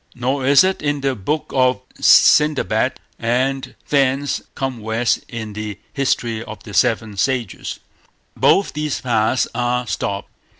Nor is it in the Book of Sendabad, and thence come west in the History of the Seven Sages. Both these paths are stopped.